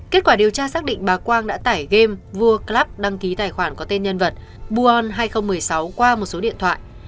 kết quả điều tra xác định bà quang đã tải game vua club đăng ký tài khoản có tên nhân vật buon hai nghìn một mươi sáu qua một số điện thoại